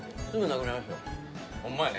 ホンマやね。